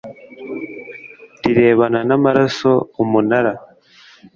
rirebana n amaraso umunara